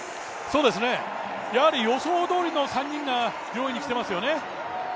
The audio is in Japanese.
やはり予想どおりの３人が上位に来てますよね。